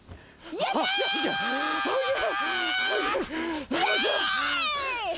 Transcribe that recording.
やったー！